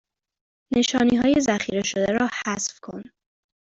نشانی های ذخیره شده را حذف کن